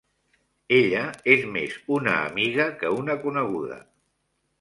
Ella és més una amiga que una coneguda.